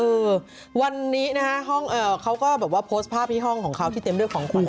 เออวันนี้นะฮะห้องเขาก็แบบว่าโพสต์ภาพที่ห้องของเขาที่เต็มด้วยของขวัญ